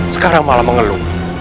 sekarang malah mengeluh